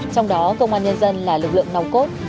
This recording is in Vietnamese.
trong đó công an nhân dân là lực lượng nòng cốt